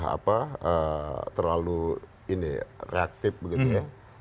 apa terlalu ini reaktif begitu ya